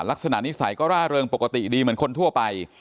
ลักษณะนิสัยก็ร่าเริงปกติดีเหมือนคนทั่วไป